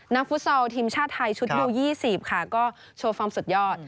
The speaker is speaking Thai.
ฟุตซอลทีมชาติไทยชุดยู๒๐ค่ะก็โชว์ฟอร์มสุดยอด